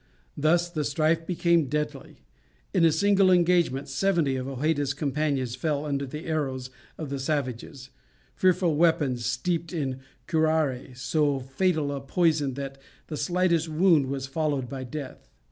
Thus the strife became deadly. In a single engagement seventy of Hojeda's companions fell under the arrows of the savages, fearful weapons steeped in "curare," so fatal a poison that the slightest wound was followed by death.